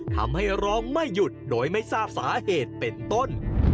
ทำให้ร้องไม่หยุดโดยไม่ทราบสาเหตุเป็นต้น